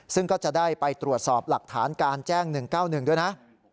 ซึ่งก็จะได้ไปตรวจสอบหลักฐานการแจ้ง๑๙๑ด้วยนะ